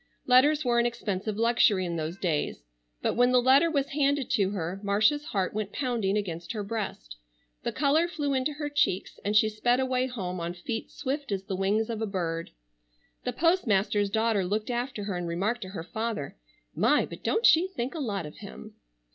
Letters were an expensive luxury in those days. But when the letter was handed to her, Marcia's heart went pounding against her breast, the color flew into her cheeks, and she sped away home on feet swift as the wings of a bird. The postmaster's daughter looked after her, and remarked to her father: "My, but don't she think a lot of him!"